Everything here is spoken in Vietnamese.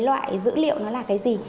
đoại dữ liệu nó là cái gì